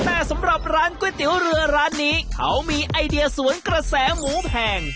แต่สำหรับร้านก๋วยเตี๋ยวเรือร้านนี้เขามีไอเดียสวนกระแสหมูแพง